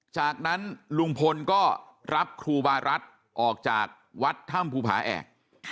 จากนั้นลุงพลก็รับครูบารัฐออกจากวัดถ้ำภูผาแอก